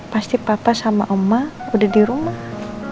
pasti papa sama emak udah di rumah